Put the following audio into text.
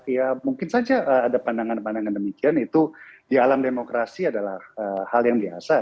ya mungkin saja ada pandangan pandangan demikian itu di alam demokrasi adalah hal yang biasa